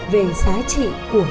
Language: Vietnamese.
về giá trị của họ